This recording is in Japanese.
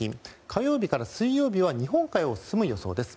火曜日から水曜日は日本海を進む予想です。